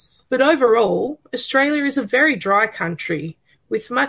tapi secara keseluruhan australia adalah negara yang sangat panas